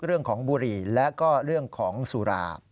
เรื่องของบุหรี่และก็เรื่องของสุรา